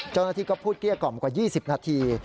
เจ้าหน้าที่ก็พูดเกลี้ยกล่อมกว่า๒๐นาที